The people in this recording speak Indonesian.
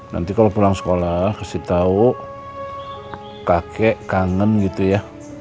nanti kalau pulang sekolah kasih tahu kakek kangen gitu ya